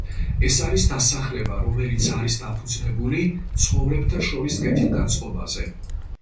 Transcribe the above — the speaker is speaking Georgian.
ეს არის დასახლება, რომელიც არის დაფუძნებული მცხოვრებთა შორის კეთილგანწყობაზე.